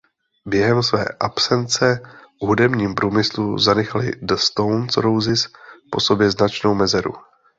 Během své absence v hudebním průmyslu zanechali The Stone Roses po sobě značnou mezeru.